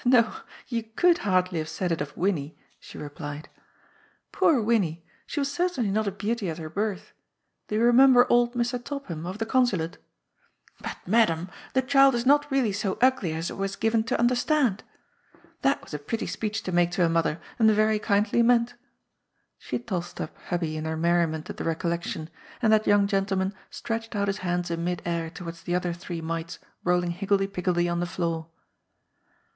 '' No, you could hardly have said it of Winnie," she replied. " Poor Winnie ! she was certainly not a beauty at her birth. Do you remember old Mr. Topham, of the Consulate :' But, Madam, the child is not really so ugly as I was given to understand '? That was a pretty speech to make to a mother, and yery kindly meant." She tossed up Hubbie in her merriment at the recollection, and that young gentleman stretched out his hands in mid air towards the other three mites rolling higgledy piggledy on the floor.